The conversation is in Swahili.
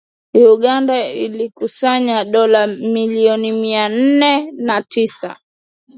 Uganda ilikusanya dola milioni mia nne na tisa